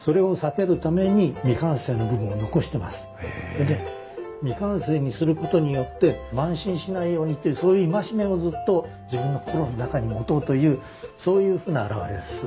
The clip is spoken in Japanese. それで未完成にすることによって慢心しないようにっていうそういう戒めをずっと自分の心の中に持とうというそういうふうな表れです。